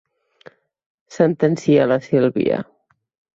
Sentencia la Sílvia—.